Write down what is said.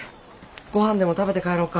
ごはんでも食べて帰ろうか。